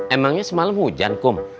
emangnya semalam hujan kum